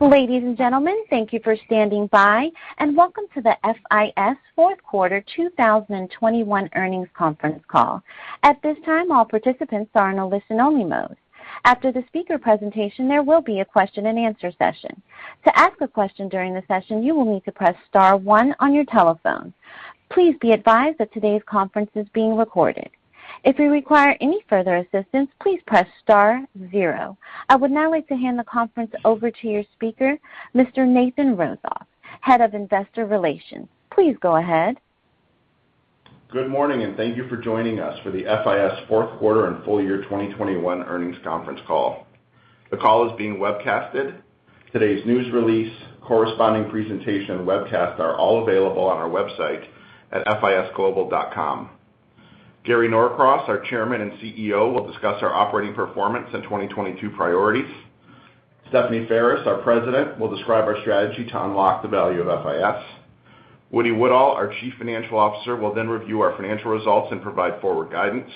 Ladies and gentlemen, thank you for standing by, and welcome to the FIS Fourth Quarter 2021 Earnings Conference Call. At this time, all participants are in a listen-only mode. After the speaker presentation, there will be a question-and-answer session. To ask a question during the session, you will need to press star one on your telephone. Please be advised that today's conference is being recorded. If you require any further assistance, please press star zero. I would now like to hand the conference over to your speaker, Mr. Nathan Rozof, Head of Investor Relations. Please go ahead. Good morning, and thank you for joining us for the FIS fourth quarter and full year 2021 earnings conference call. The call is being webcast. Today's news release, corresponding presentation, and webcast are all available on our website at fisglobal.com. Gary Norcross, our Chairman and CEO, will discuss our operating performance in 2022 priorities. Stephanie Ferris, our President, will describe our strategy to unlock the value of FIS. James Woodall, our Chief Financial Officer, will then review our financial results and provide forward guidance.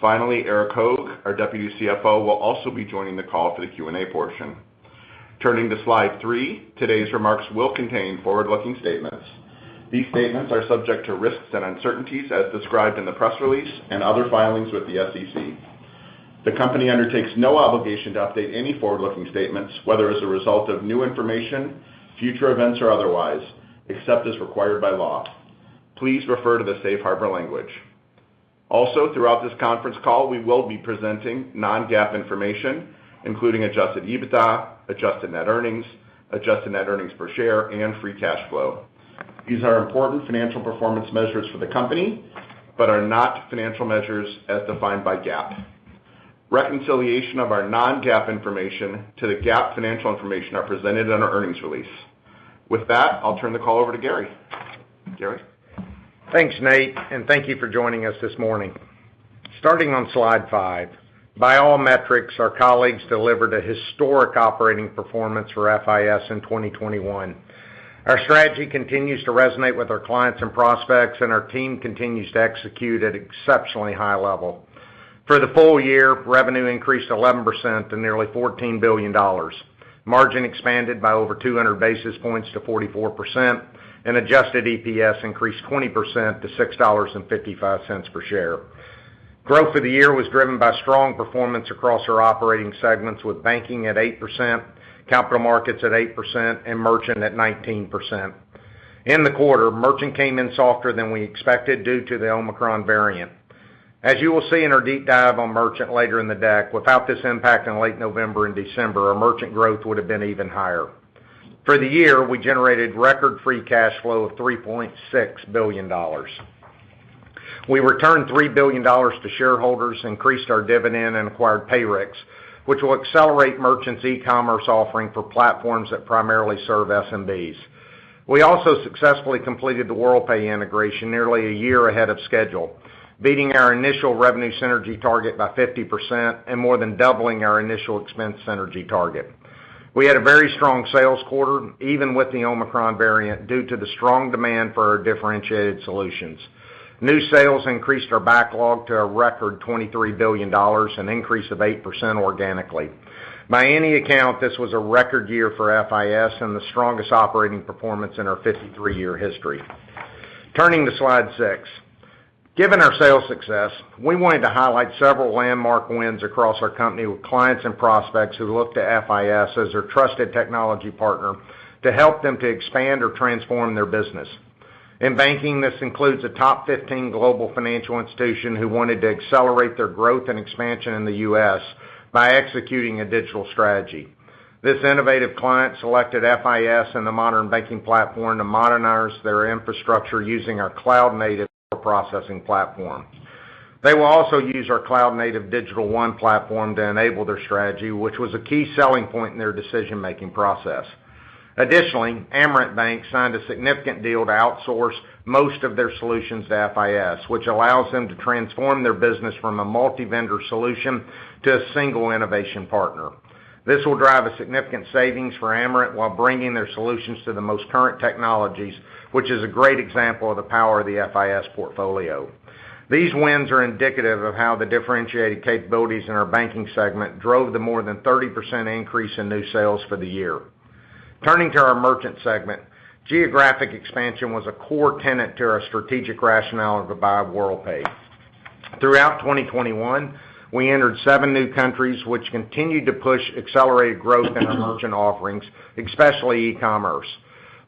Finally, Erik Hoag, our Deputy CFO, will also be joining the call for the Q&A portion. Turning to slide 3, today's remarks will contain forward-looking statements. These statements are subject to risks and uncertainties as described in the press release and other filings with the SEC. The company undertakes no obligation to update any forward-looking statements, whether as a result of new information, future events, or otherwise, except as required by law. Please refer to the safe harbor language. Also, throughout this conference call, we will be presenting non-GAAP information, including adjusted EBITDA, adjusted net earnings, adjusted net earnings per share, and free cash flow. These are important financial performance measures for the company, but are not financial measures as defined by GAAP. Reconciliation of our non-GAAP information to the GAAP financial information are presented in our earnings release. With that, I'll turn the call over to Gary. Gary? Thanks, Nate, and thank you for joining us this morning. Starting on slide 5, by all metrics, our colleagues delivered a historic operating performance for FIS in 2021. Our strategy continues to resonate with our clients and prospects, and our team continues to execute at exceptionally high level. For the full year, revenue increased 11% to nearly $14 billion. Margin expanded by over 200 basis points to 44%, and adjusted EPS increased 20% to $6.55 per share. Growth for the year was driven by strong performance across our operating segments, with banking at 8%, capital markets at 8%, and merchant at 19%. In the quarter, merchant came in softer than we expected due to the Omicron variant. As you will see in our deep dive on merchant later in the deck, without this impact in late November and December, our merchant growth would have been even higher. For the year, we generated record free cash flow of $3.6 billion. We returned $3 billion to shareholders, increased our dividend, and acquired Payrix, which will accelerate merchants e-commerce offering for platforms that primarily serve SMBs. We also successfully completed the Worldpay integration nearly a year ahead of schedule, beating our initial revenue synergy target by 50% and more than doubling our initial expense synergy target. We had a very strong sales quarter, even with the Omicron variant, due to the strong demand for our differentiated solutions. New sales increased our backlog to a record $23 billion, an increase of 8% organically. By any account, this was a record year for FIS and the strongest operating performance in our 53-year history. Turning to slide 6. Given our sales success, we wanted to highlight several landmark wins across our company with clients and prospects who look to FIS as their trusted technology partner to help them to expand or transform their business. In banking, this includes a top 15 global financial institution who wanted to accelerate their growth and expansion in the U.S. by executing a digital strategy. This innovative client selected FIS and the Modern Banking Platform to modernize their infrastructure using our cloud-native processing platform. They will also use our cloud-native Digital One platform to enable their strategy, which was a key selling point in their decision-making process. Additionally, Amerant Bank signed a significant deal to outsource most of their solutions to FIS, which allows them to transform their business from a multi-vendor solution to a single innovation partner. This will drive a significant savings for Amerant while bringing their solutions to the most current technologies, which is a great example of the power of the FIS portfolio. These wins are indicative of how the differentiated capabilities in our banking segment drove the more than 30% increase in new sales for the year. Turning to our merchant segment, geographic expansion was a core tenet to our strategic rationale of the buy of Worldpay. Throughout 2021, we entered seven new countries, which continued to push accelerated growth in our merchant offerings, especially e-commerce.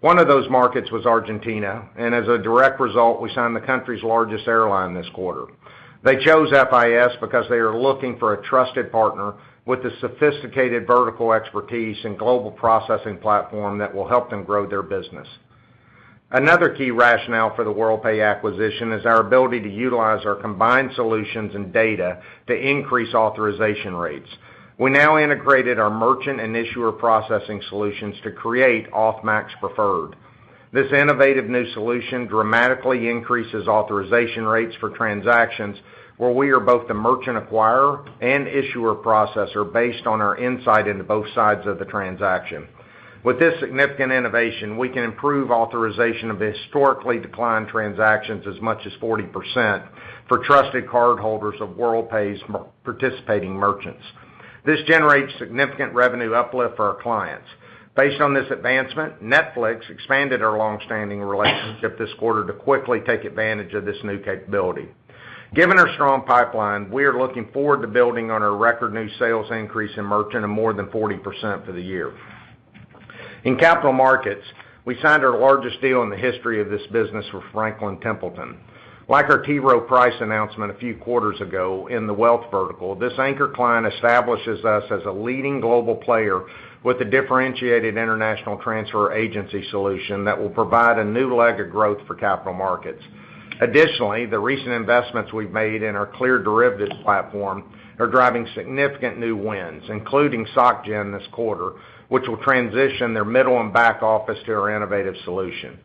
One of those markets was Argentina, and as a direct result, we signed the country's largest airline this quarter. They chose FIS because they are looking for a trusted partner with the sophisticated vertical expertise and global processing platform that will help them grow their business. Another key rationale for the Worldpay acquisition is our ability to utilize our combined solutions and data to increase authorization rates. We now integrated our merchant and issuer processing solutions to create AuthMax Preferred. This innovative new solution dramatically increases authorization rates for transactions where we are both the merchant acquirer and issuer processor based on our insight into both sides of the transaction. With this significant innovation, we can improve authorization of historically declined transactions as much as 40% for trusted cardholders of Worldpay's participating merchants. This generates significant revenue uplift for our clients. Based on this advancement, Netflix expanded our long-standing relationship this quarter to quickly take advantage of this new capability. Given our strong pipeline, we are looking forward to building on our record new sales increase in merchant of more than 40% for the year. In capital markets, we signed our largest deal in the history of this business with Franklin Templeton. Like our T. Rowe Price announcement a few quarters ago in the wealth vertical, this anchor client establishes us as a leading global player with a differentiated international transfer agency solution that will provide a new leg of growth for capital markets. Additionally, the recent investments we've made in our Cleared Derivatives platform are driving significant new wins, including Société Générale this quarter, which will transition their middle and back office to our innovative solution.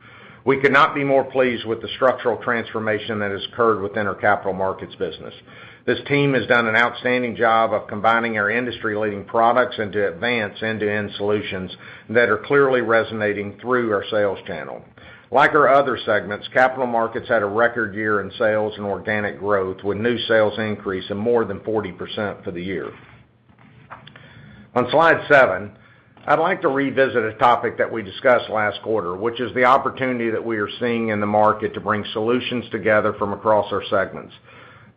We could not be more pleased with the structural transformation that has occurred within our capital markets business. This team has done an outstanding job of combining our industry-leading products into advanced end-to-end solutions that are clearly resonating through our sales channel. Like our other segments, capital markets had a record year in sales and organic growth, with new sales increase of more than 40% for the year. On slide 7, I'd like to revisit a topic that we discussed last quarter, which is the opportunity that we are seeing in the market to bring solutions together from across our segments.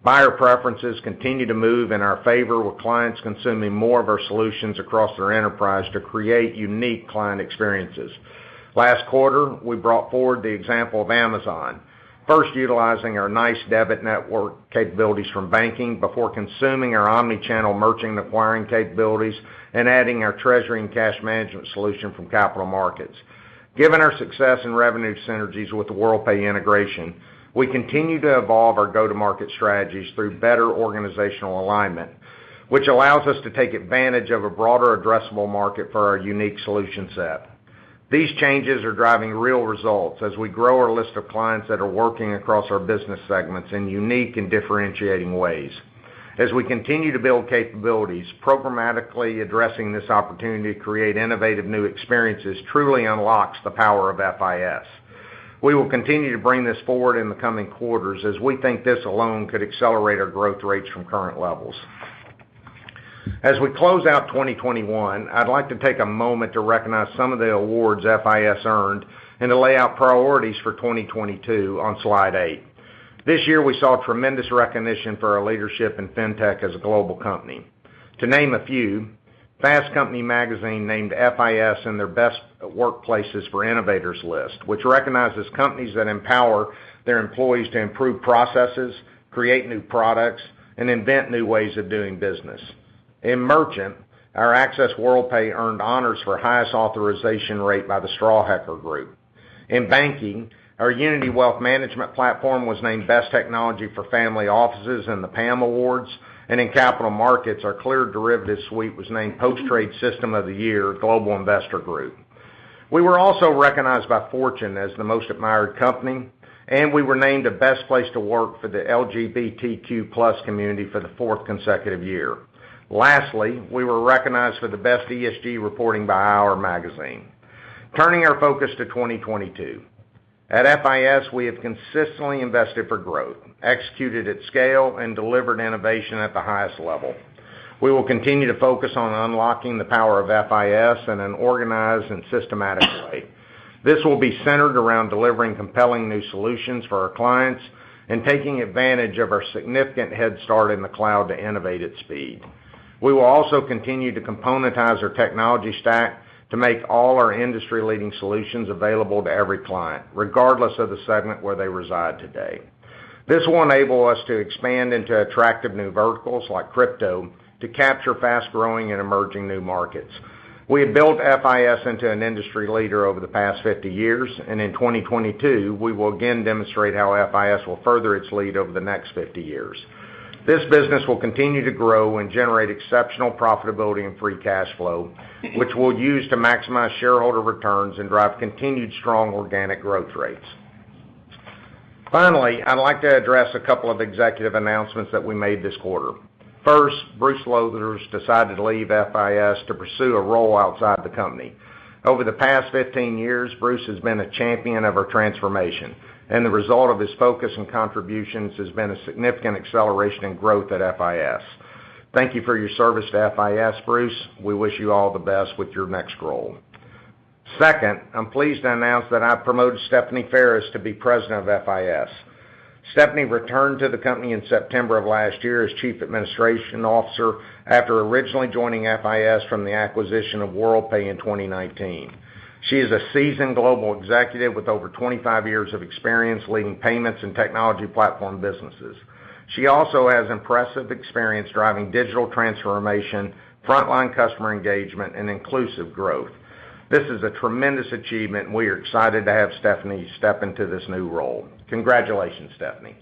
Buyer preferences continue to move in our favor, with clients consuming more of our solutions across their enterprise to create unique client experiences. Last quarter, we brought forward the example of Amazon, first utilizing our NYCE debit network capabilities from banking before consuming our omni-channel merchant acquiring capabilities and adding our treasury and cash management solution from capital markets. Given our success in revenue synergies with the Worldpay integration, we continue to evolve our go-to-market strategies through better organizational alignment, which allows us to take advantage of a broader addressable market for our unique solution set. These changes are driving real results as we grow our list of clients that are working across our business segments in unique and differentiating ways. As we continue to build capabilities, programmatically addressing this opportunity to create innovative new experiences truly unlocks the power of FIS. We will continue to bring this forward in the coming quarters as we think this alone could accelerate our growth rates from current levels. As we close out 2021, I'd like to take a moment to recognize some of the awards FIS earned and to lay out priorities for 2022 on slide 8. This year, we saw tremendous recognition for our leadership in Fintech as a global company. To name a few, Fast Company magazine named FIS in their best workplaces for innovators list, which recognizes companies that empower their employees to improve processes, create new products, and invent new ways of doing business. In merchant, our Access Worldpay earned honors for highest authorization rate by the Strawhecker Group. In banking, our Unity Wealth management platform was named best technology for family offices in the PAM Awards. In capital markets, our Cleared Derivatives Suite was named post-trade system of the year, Global Investor Group. We were also recognized by Fortune as the most admired company, and we were named a best place to work for the LGBTQ+ community for the fourth consecutive year. Lastly, we were recognized for the best ESG reporting by IR Magazine. Turning our focus to 2022. At FIS, we have consistently invested for growth, executed at scale, and delivered innovation at the highest level. We will continue to focus on unlocking the power of FIS in an organized and systematic way. This will be centered around delivering compelling new solutions for our clients and taking advantage of our significant head start in the cloud to innovate at speed. We will also continue to componentize our technology stack to make all our industry-leading solutions available to every client, regardless of the segment where they reside today. This will enable us to expand into attractive new verticals like crypto to capture fast-growing and emerging new markets. We have built FIS into an industry leader over the past 50 years, and in 2022, we will again demonstrate how FIS will further its lead over the next 50 years. This business will continue to grow and generate exceptional profitability and free cash flow, which we'll use to maximize shareholder returns and drive continued strong organic growth rates. Finally, I'd like to address a couple of executive announcements that we made this quarter. First, Bruce Lowthers decided to leave FIS to pursue a role outside the company. Over the past 15 years, Bruce has been a champion of our transformation, and the result of his focus and contributions has been a significant acceleration in growth at FIS. Thank you for your service to FIS, Bruce. We wish you all the best with your next role. Second, I'm pleased to announce that I've promoted Stephanie Ferris to be President of FIS. Stephanie returned to the company in September of last year as Chief Administrative Officer after originally joining FIS from the acquisition of Worldpay in 2019. She is a seasoned global executive with over 25 years of experience leading payments and technology platform businesses. She also has impressive experience driving digital transformation, frontline customer engagement, and inclusive growth. This is a tremendous achievement. We are excited to have Stephanie step into this new role. Congratulations, Stephanie.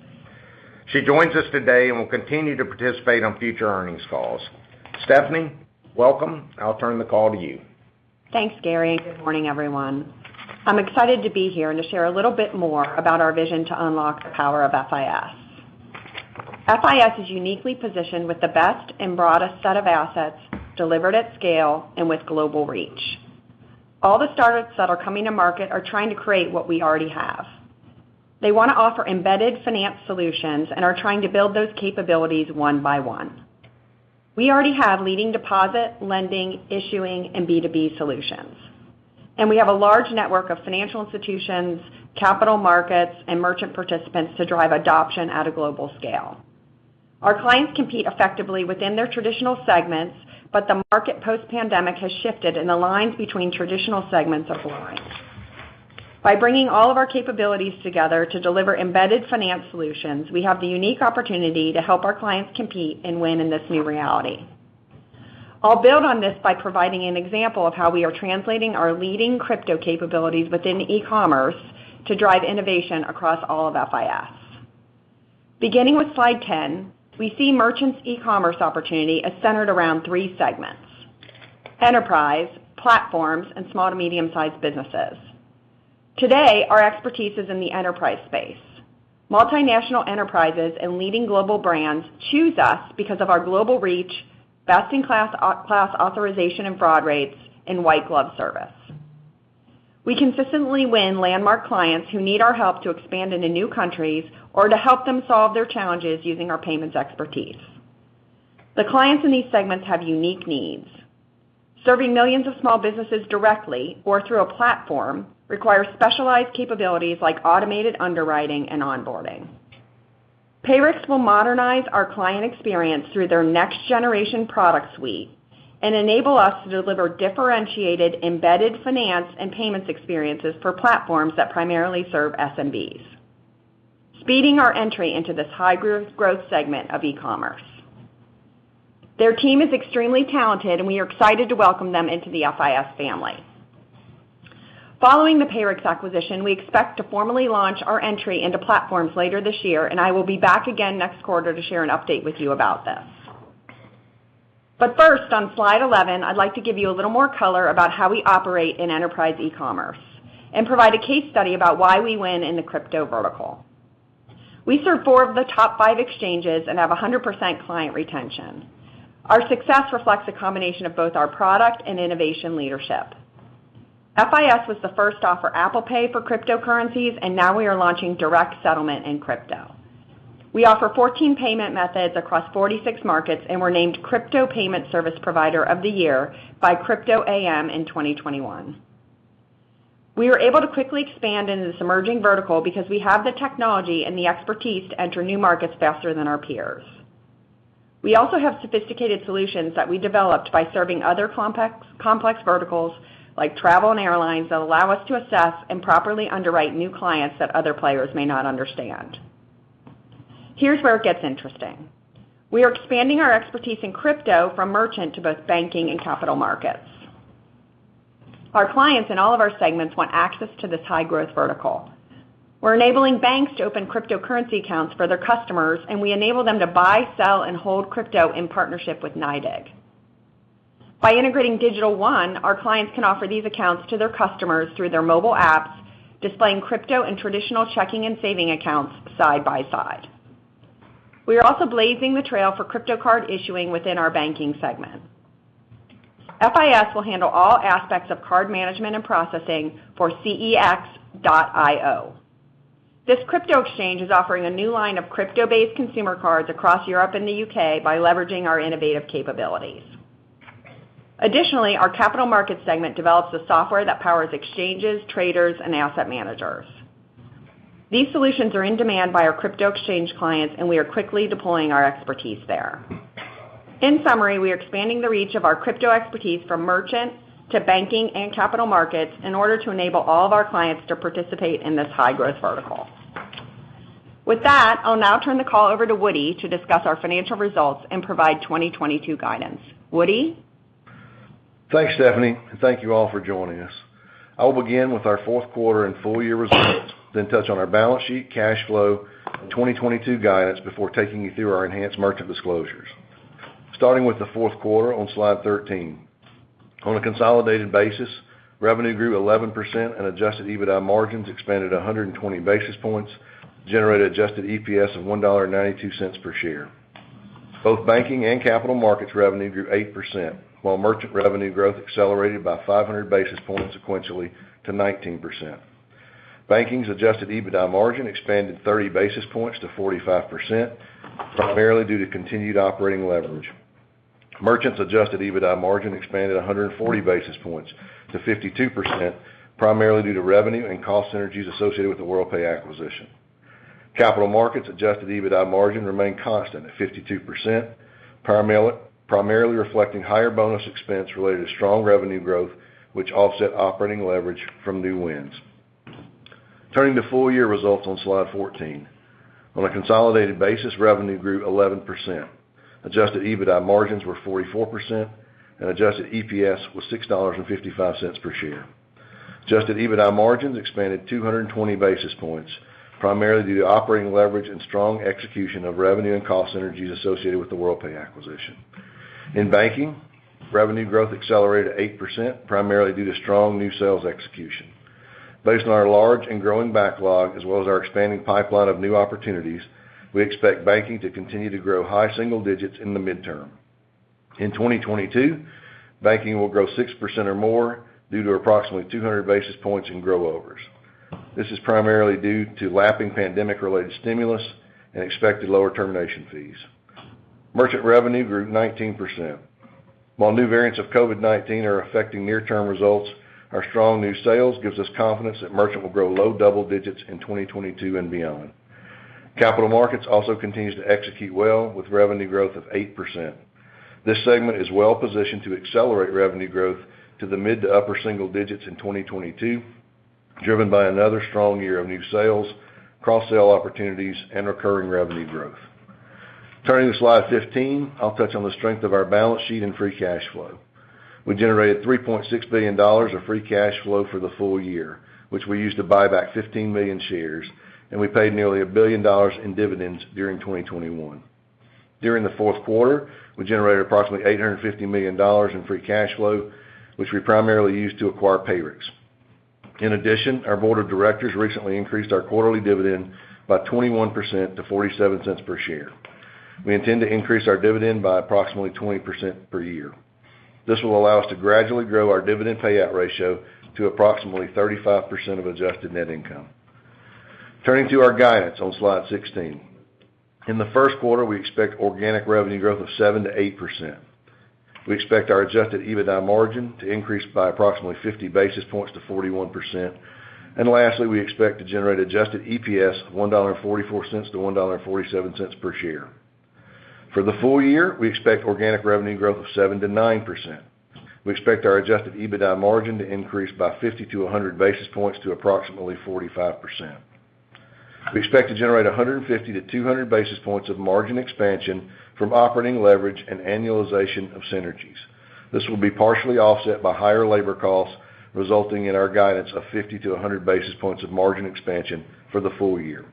She joins us today and will continue to participate on future earnings calls. Stephanie, welcome. I'll turn the call to you. Thanks, Gary, good morning, everyone. I'm excited to be here and to share a little bit more about our vision to unlock the power of FIS. FIS is uniquely positioned with the best and broadest set of assets delivered at scale and with global reach. All the startups that are coming to market are trying to create what we already have. They wanna offer embedded finance solutions and are trying to build those capabilities one by one. We already have leading deposit, lending, issuing, and B2B solutions, and we have a large network of financial institutions, capital markets, and merchant participants to drive adoption at a global scale. Our clients compete effectively within their traditional segments, but the market post-pandemic has shifted, and the lines between traditional segments have blurred. By bringing all of our capabilities together to deliver embedded finance solutions, we have the unique opportunity to help our clients compete and win in this new reality. I'll build on this by providing an example of how we are translating our leading crypto capabilities within e-commerce to drive innovation across all of FIS. Beginning with slide 10, we see merchants' e-commerce opportunity as centered around three segments, enterprise, platforms, and small to medium-sized businesses. Today, our expertise is in the enterprise space. Multinational enterprises and leading global brands choose us because of our global reach, best-in-class authorization and fraud rates, and white glove service. We consistently win landmark clients who need our help to expand into new countries or to help them solve their challenges using our payments expertise. The clients in these segments have unique needs. Serving millions of small businesses directly or through a platform requires specialized capabilities like automated underwriting and onboarding. Payrix will modernize our client experience through their next-generation product suite and enable us to deliver differentiated embedded finance and payments experiences for platforms that primarily serve SMBs, speeding our entry into this high-growth, growth segment of e-commerce. Their team is extremely talented, and we are excited to welcome them into the FIS family. Following the Payrix acquisition, we expect to formally launch our entry into platforms later this year, and I will be back again next quarter to share an update with you about this. First, on slide 11, I'd like to give you a little more color about how we operate in enterprise e-commerce and provide a case study about why we win in the crypto vertical. We serve 4 of the top 5 exchanges and have 100% client retention. Our success reflects a combination of both our product and innovation leadership. FIS was the first to offer Apple Pay for cryptocurrencies, and now we are launching direct settlement in crypto. We offer 14 payment methods across 46 markets, and we're named Crypto Payment Service Provider of the Year by Crypto AM in 2021. We were able to quickly expand into this emerging vertical because we have the technology and the expertise to enter new markets faster than our peers. We also have sophisticated solutions that we developed by serving other complex verticals like travel and airlines that allow us to assess and properly underwrite new clients that other players may not understand. Here's where it gets interesting. We are expanding our expertise in crypto from merchant to both banking and capital markets. Our clients in all of our segments want access to this high-growth vertical. We're enabling banks to open cryptocurrency accounts for their customers, and we enable them to buy, sell, and hold crypto in partnership with NYDIG. By integrating Digital One, our clients can offer these accounts to their customers through their mobile apps, displaying crypto and traditional checking and savings accounts side by side. We are also blazing the trail for crypto card issuing within our banking segment. FIS will handle all aspects of card management and processing for CEX.IO. This crypto exchange is offering a new line of crypto-based consumer cards across Europe and the U.K. by leveraging our innovative capabilities. Additionally, our capital markets segment develops the software that powers exchanges, traders, and asset managers. These solutions are in demand by our crypto exchange clients, and we are quickly deploying our expertise there. In summary, we are expanding the reach of our crypto expertise from merchant to banking and capital markets in order to enable all of our clients to participate in this high-growth vertical. With that, I'll now turn the call over to Woody to discuss our financial results and provide 2022 guidance. Woody? Thanks, Stephanie, and thank you all for joining us. I will begin with our fourth quarter and full year results, then touch on our balance sheet, cash flow, and 2022 guidance before taking you through our enhanced merchant disclosures. Starting with the fourth quarter on slide 13. On a consolidated basis, revenue grew 11% and adjusted EBITDA margins expanded 120 basis points, generated adjusted EPS of $1.92 per share. Both banking and capital markets revenue grew 8%, while merchant revenue growth accelerated by 500 basis points sequentially to 19%. Banking's adjusted EBITDA margin expanded 30 basis points to 45%, primarily due to continued operating leverage. Merchants' adjusted EBITDA margin expanded 140 basis points to 52%, primarily due to revenue and cost synergies associated with the Worldpay acquisition. Capital Markets' adjusted EBITDA margin remained constant at 52%, primarily reflecting higher bonus expense related to strong revenue growth, which offset operating leverage from new wins. Turning to full-year results on slide 14. On a consolidated basis, revenue grew 11%. Adjusted EBITDA margins were 44%, and adjusted EPS was $6.55 per share. Adjusted EBITDA margins expanded 220 basis points, primarily due to operating leverage and strong execution of revenue and cost synergies associated with the Worldpay acquisition. In banking, revenue growth accelerated 8%, primarily due to strong new sales execution. Based on our large and growing backlog, as well as our expanding pipeline of new opportunities, we expect Banking to continue to grow high single digits in the midterm. In 2022, Banking will grow 6% or more due to approximately 200 basis points in growth overs. This is primarily due to lapping pandemic-related stimulus and expected lower termination fees. Merchant revenue grew 19%. While new variants of COVID-19 are affecting near-term results, our strong new sales gives us confidence that Merchant will grow low double digits in 2022 and beyond. Capital Markets also continues to execute well, with revenue growth of 8%. This segment is well-positioned to accelerate revenue growth to the mid to upper single digits in 2022, driven by another strong year of new sales, cross-sell opportunities, and recurring revenue growth. Turning to slide 15, I'll touch on the strength of our balance sheet and free cash flow. We generated $3.6 billion of free cash flow for the full year, which we used to buy back 15 million shares, and we paid nearly $1 billion in dividends during 2021. During the fourth quarter, we generated approximately $850 million in free cash flow, which we primarily used to acquire Payrix. In addition, our board of directors recently increased our quarterly dividend by 21% to $0.47 per share. We intend to increase our dividend by approximately 20% per year. This will allow us to gradually grow our dividend payout ratio to approximately 35% of adjusted net income. Turning to our guidance on slide 16. In the first quarter, we expect organic revenue growth of 7%-8%. We expect our adjusted EBITDA margin to increase by approximately 50 basis points to 41%. Lastly, we expect to generate adjusted EPS of $1.44-$1.47 per share. For the full year, we expect organic revenue growth of 7%-9%. We expect our adjusted EBITDA margin to increase by 50-100 basis points to approximately 45%. We expect to generate 150-200 basis points of margin expansion from operating leverage and annualization of synergies. This will be partially offset by higher labor costs, resulting in our guidance of 50-100 basis points of margin expansion for the full year.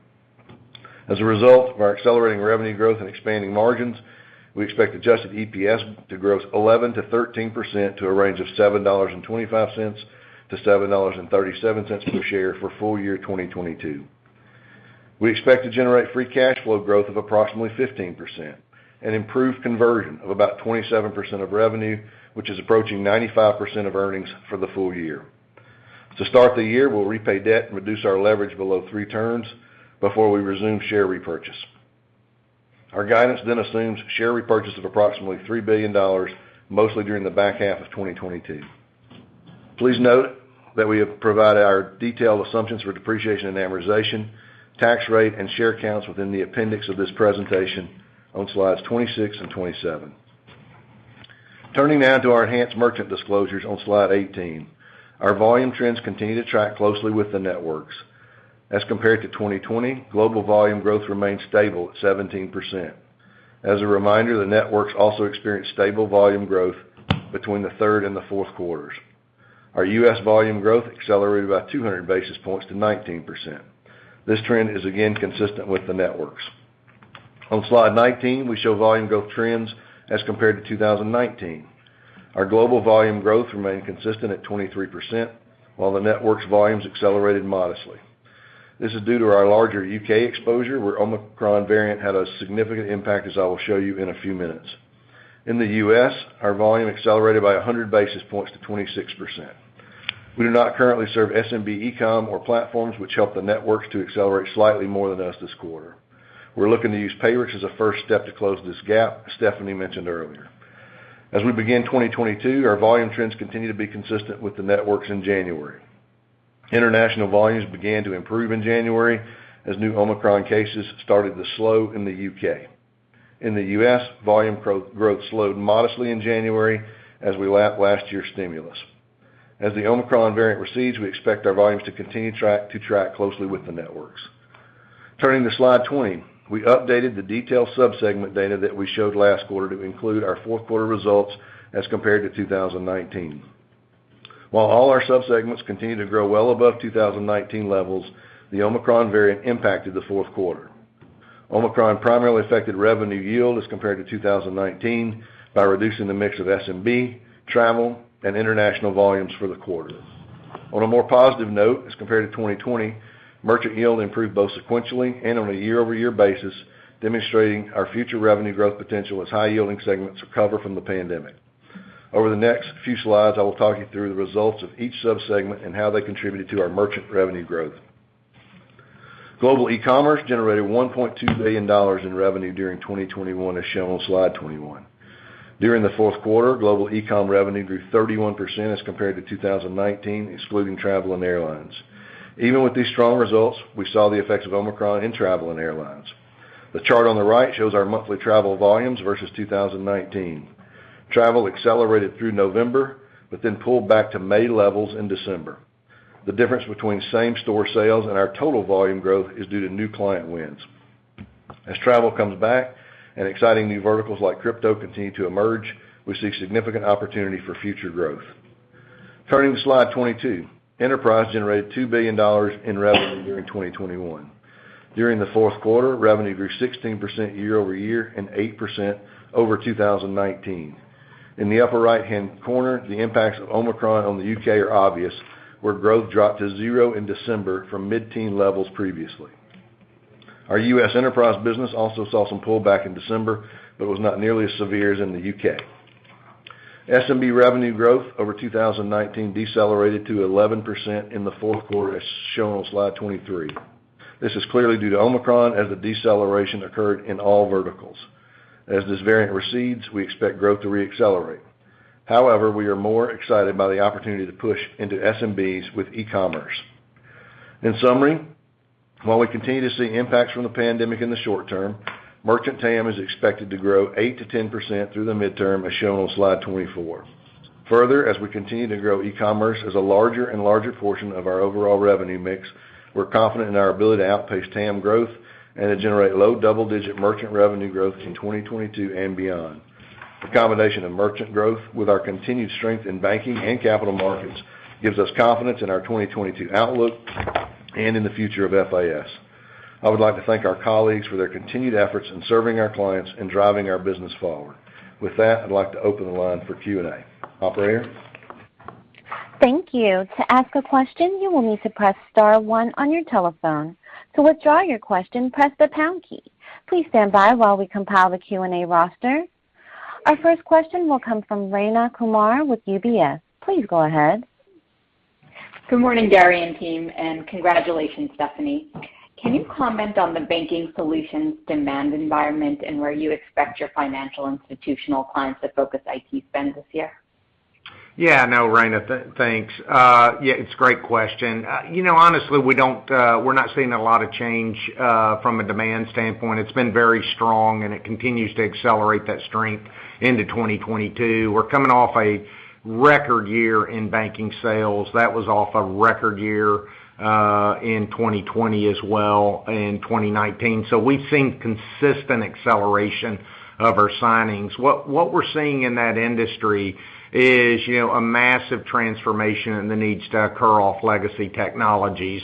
As a result of our accelerating revenue growth and expanding margins, we expect adjusted EPS to grow 11%-13% to a range of $7.25-$7.37 per share for full year 2022. We expect to generate free cash flow growth of approximately 15%, an improved conversion of about 27% of revenue, which is approaching 95% of earnings for the full year. To start the year, we'll repay debt and reduce our leverage below 3 turns before we resume share repurchase. Our guidance then assumes share repurchase of approximately $3 billion, mostly during the back half of 2022. Please note that we have provided our detailed assumptions for depreciation and amortization, tax rate, and share counts within the appendix of this presentation on slides 26 and 27. Turning now to our enhanced merchant disclosures on slide 18. Our volume trends continue to track closely with the networks. As compared to 2020, global volume growth remained stable at 17%. As a reminder, the networks also experienced stable volume growth between the third and the fourth quarters. Our U.S. volume growth accelerated by 200 basis points to 19%. This trend is again consistent with the networks. On slide 19, we show volume growth trends as compared to 2019. Our global volume growth remained consistent at 23%, while the network's volumes accelerated modestly. This is due to our larger U.K. exposure, where Omicron variant had a significant impact, as I will show you in a few minutes. In the U.S., our volume accelerated by 100 basis points to 26%. We do not currently serve SMB e-com or platforms which help the networks to accelerate slightly more than us this quarter. We're looking to use Payrix as a first step to close this gap, as Stephanie mentioned earlier. As we begin 2022, our volume trends continue to be consistent with the networks in January. International volumes began to improve in January as new Omicron cases started to slow in the U.K. In the U.S., volume growth slowed modestly in January as we lapped last year's stimulus. As the Omicron variant recedes, we expect our volumes to continue to track closely with the networks. Turning to slide 20. We updated the detailed sub-segment data that we showed last quarter to include our fourth quarter results as compared to 2019. While all our sub-segments continue to grow well above 2019 levels, the Omicron variant impacted the fourth quarter. Omicron primarily affected revenue yield as compared to 2019 by reducing the mix of SMB, travel, and international volumes for the quarter. On a more positive note, as compared to 2020, merchant yield improved both sequentially and on a year-over-year basis, demonstrating our future revenue growth potential as high-yielding segments recover from the pandemic. Over the next few slides, I will talk you through the results of each sub-segment and how they contributed to our merchant revenue growth. Global e-commerce generated $1.2 billion in revenue during 2021, as shown on slide 21. During the fourth quarter, global e-com revenue grew 31% as compared to 2019, excluding travel and airlines. Even with these strong results, we saw the effects of Omicron in travel and airlines. The chart on the right shows our monthly travel volumes versus 2019. Travel accelerated through November, but then pulled back to May levels in December. The difference between same-store sales and our total volume growth is due to new client wins. As travel comes back and exciting new verticals like crypto continue to emerge, we see significant opportunity for future growth. Turning to slide 22. Enterprise generated $2 billion in revenue during 2021. During the fourth quarter, revenue grew 16% year-over-year and 8% over 2019. In the upper right-hand corner, the impacts of Omicron on the U.K. are obvious, where growth dropped to 0 in December from mid-teen levels previously. Our U.S. enterprise business also saw some pullback in December, but was not nearly as severe as in the U.K. SMB revenue growth over 2019 decelerated to 11% in the fourth quarter, as shown on slide 23. This is clearly due to Omicron, as the deceleration occurred in all verticals. As this variant recedes, we expect growth to re-accelerate. However, we are more excited by the opportunity to push into SMBs with e-commerce. In summary, while we continue to see impacts from the pandemic in the short term, merchant TAM is expected to grow 8%-10% through the midterm, as shown on slide 24. Further, as we continue to grow e-commerce as a larger and larger portion of our overall revenue mix, we're confident in our ability to outpace TAM growth and to generate low double-digit merchant revenue growth in 2022 and beyond. The combination of merchant growth with our continued strength in banking and capital markets gives us confidence in our 2022 outlook and in the future of FIS. I would like to thank our colleagues for their continued efforts in serving our clients and driving our business forward. With that, I'd like to open the line for Q&A. Operator? Thank you. To ask a question, you will need to press star one on your telephone. To withdraw your question, press the pound key. Please stand by while we compile the Q&A roster. Our first question will come from Rayna Kumar with UBS. Please go ahead. Good morning, Gary and team, and congratulations, Stephanie. Can you comment on the banking solutions demand environment and where you expect your financial institutional clients to focus IT spend this year? Yeah, no, Raina, thanks. Yeah, it's a great question. You know, honestly, we don't, we're not seeing a lot of change from a demand standpoint. It's been very strong, and it continues to accelerate that strength into 2022. We're coming off a record year in banking sales. That was off a record year in 2020 as well, and 2019. We've seen consistent acceleration of our signings. What we're seeing in that industry is, you know, a massive transformation in the need to move off legacy technologies.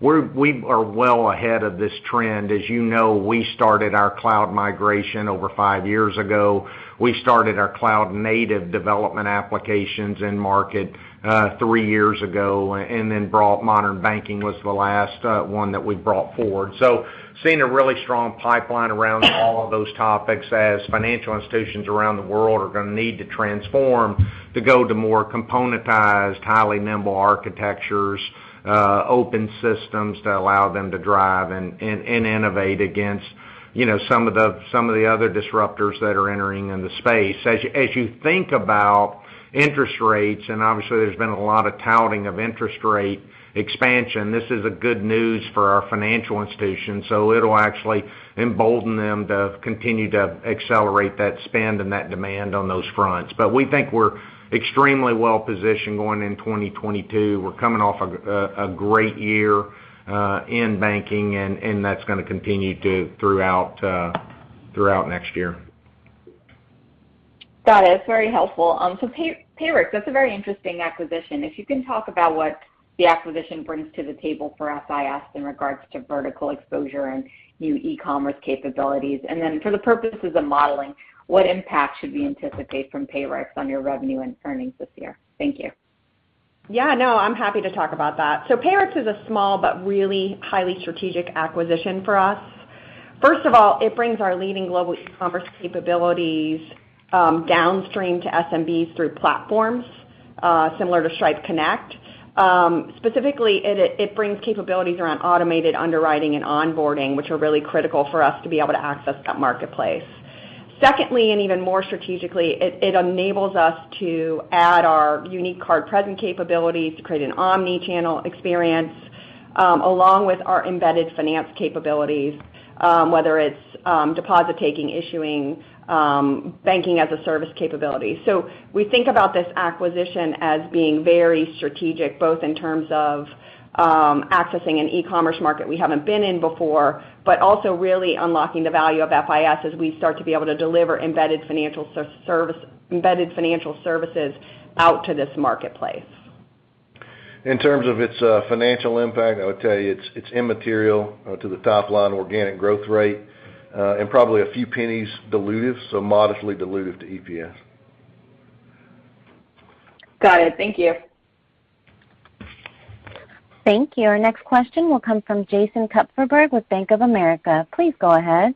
We're well ahead of this trend. As you know, we started our cloud migration over 5 years ago. We started our cloud-native development applications in market 3 years ago, and then brought Modern Banking was the last one that we brought forward. Seeing a really strong pipeline around all of those topics as financial institutions around the world are gonna need to transform to go to more componentized, highly nimble architectures, open systems to allow them to drive and innovate against, you know, some of the other disruptors that are entering in the space. As you think about interest rates, and obviously there's been a lot of touting of interest rate expansion, this is good news for our financial institutions. It'll actually embolden them to continue to accelerate that spend and that demand on those fronts. We think we're extremely well positioned going in 2022. We're coming off a great year in banking and that's gonna continue throughout next year. Got it. It's very helpful. So Payrix, that's a very interesting acquisition. If you can talk about what the acquisition brings to the table for FIS in regards to vertical exposure and new e-commerce capabilities. Then for the purposes of modeling, what impact should we anticipate from Payrix on your revenue and earnings this year? Thank you. Yeah, no, I'm happy to talk about that. Payrix is a small but really highly strategic acquisition for us. First of all, it brings our leading global e-commerce capabilities, downstream to SMBs through platforms, similar to Stripe Connect. Specifically, it brings capabilities around automated underwriting and onboarding, which are really critical for us to be able to access that marketplace. Secondly, and even more strategically, it enables us to add our unique card-present capabilities to create an omni-channel experience, along with our embedded finance capabilities, whether it's deposit taking, issuing, banking-as-a-service capability. We think about this acquisition as being very strategic, both in terms of accessing an e-commerce market we haven't been in before, but also really unlocking the value of FIS as we start to be able to deliver embedded financial services out to this marketplace. In terms of its financial impact, I would tell you it's immaterial to the top line organic growth rate, and probably a few pennies dilutive, so modestly dilutive to EPS. Got it. Thank you. Thank you. Our next question will come from Jason Kupferberg with Bank of America. Please go ahead.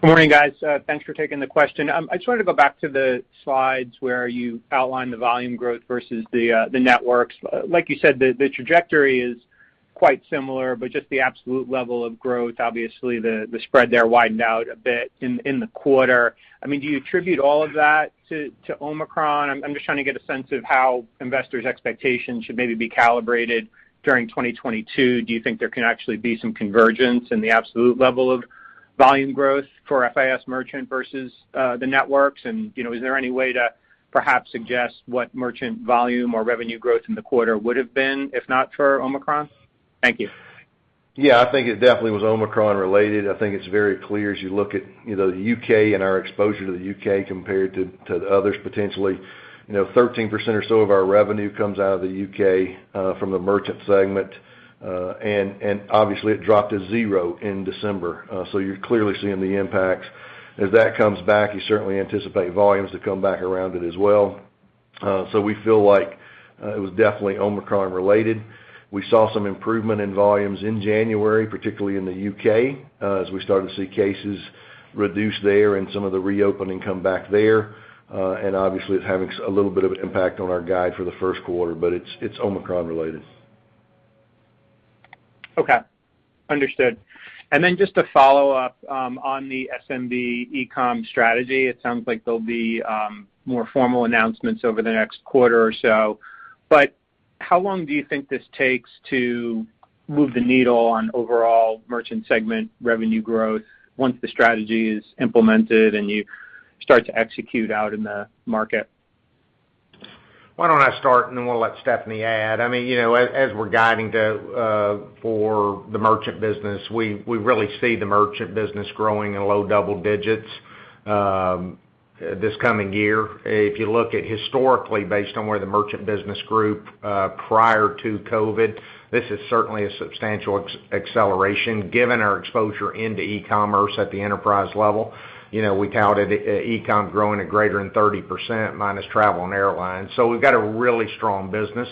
Good morning, guys. Thanks for taking the question. I just wanted to go back to the slides where you outlined the volume growth versus the networks. Like you said, the trajectory is quite similar, but just the absolute level of growth, obviously the spread there widened out a bit in the quarter. I mean, do you attribute all of that to Omicron? I'm just trying to get a sense of how investors' expectations should maybe be calibrated during 2022. Do you think there can actually be some convergence in the absolute level of volume growth for FIS Merchant versus the networks? You know, is there any way to perhaps suggest what merchant volume or revenue growth in the quarter would have been if not for Omicron? Thank you. Yeah, I think it definitely was Omicron related. I think it's very clear as you look at, you know, the U.K. and our exposure to the U.K. compared to the others potentially. You know, 13% or so of our revenue comes out of the U.K. from the merchant segment. And obviously it dropped to 0 in December. So you're clearly seeing the impacts. As that comes back, you certainly anticipate volumes to come back around it as well. So we feel like it was definitely Omicron related. We saw some improvement in volumes in January, particularly in the U.K., as we started to see cases reduce there and some of the reopening come back there. And obviously, it's having a little bit of an impact on our guide for the first quarter, but it's Omicron related. Okay. Understood. Then just to follow up on the SMB e-com strategy. It sounds like there'll be more formal announcements over the next quarter or so. How long do you think this takes to move the needle on overall merchant segment revenue growth once the strategy is implemented, and you start to execute out in the market? Why don't I start, and then we'll let Stephanie add? I mean, you know, as we're guiding to for the merchant business, we really see the merchant business growing in low double digits this coming year. If you look at historically, based on where the merchant business group prior to COVID, this is certainly a substantial acceleration given our exposure into e-commerce at the enterprise level. You know, we counted e-com growing at greater than 30% minus travel and airlines. We've got a really strong business.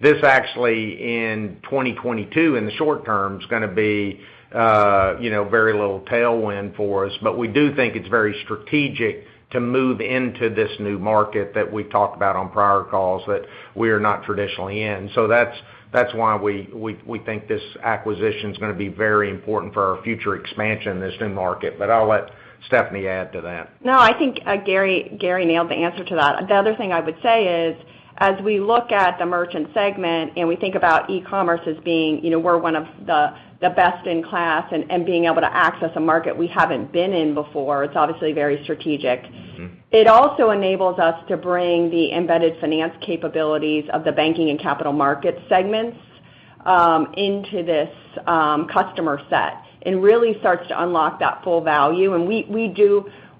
This actually in 2022, in the short term, is gonna be very little tailwind for us. We do think it's very strategic to move into this new market that we talked about on prior calls that we are not traditionally in. That's why we think this acquisition is gonna be very important for our future expansion in this new market. I'll let Stephanie add to that. No, I think Gary nailed the answer to that. The other thing I would say is, as we look at the merchant segment, and we think about e-commerce as being, you know, we're one of the best in class and being able to access a market we haven't been in before, it's obviously very strategic. Mm-hmm. It also enables us to bring the embedded finance capabilities of the banking and capital market segments into this customer set and really starts to unlock that full value.